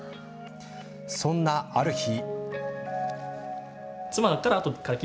そんな、ある日。